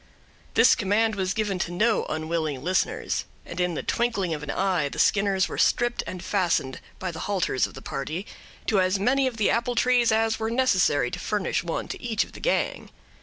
This command was given to no unwilling listeners; and in the twinkling of an eye the Skinners were stripped and fastened, by the halters of the party, to as many of the apple trees as were necessary to furnish one to each of the gang.